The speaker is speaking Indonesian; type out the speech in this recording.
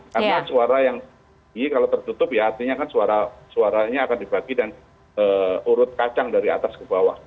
karena suara yang ini kalau tertutup ya artinya kan suaranya akan dibagi dan urut kacang dari atas ke bawah